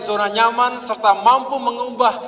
zona nyaman serta mampu mengubah